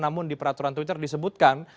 namun di peraturan twitter disebutkan